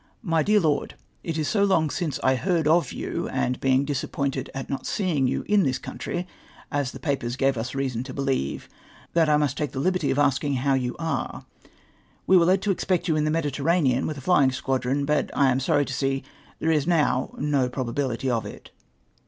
My dear Lord, — It is so long since I heard of you, and being disappointed at not seeing yon in this country, as the papers gave us reason to believe, that I must take the liberty of asking you how you are. We were led to expect you in the Mediterranean with a flying squadron, but I am sorry to see there is now no probability of it.